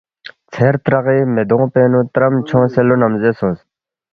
ژھیر تراغی میدونگ پینگنو ترم چھونگسے لو نمزے سونگ